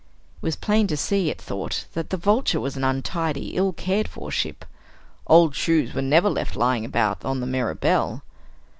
It was plain to see, it thought, that the Vulture was an untidy, ill cared for ship. Old shoes were never left lying about on the Mirabelle.